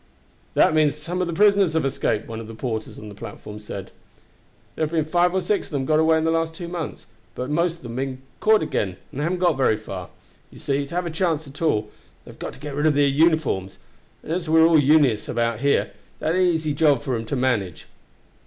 "That means some of the prisoners have escaped," one of the porters on the platform said. "There have been five or six of them got away in the last two months, but most of them have been caught again before they have gone far. You see, to have a chance at all, they have got to get rid of their uniforms, and as we are all Unionists about here that ain't an easy job for 'em to manage."